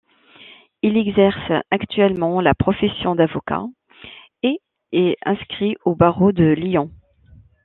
Il exerce actuellement la profession d'avocat, et est inscrit au Barreau de Lyon.